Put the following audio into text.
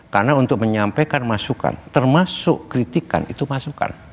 karena untuk menyampaikan masukan termasuk kritikan itu masukan